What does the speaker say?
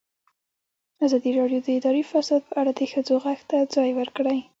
ازادي راډیو د اداري فساد په اړه د ښځو غږ ته ځای ورکړی.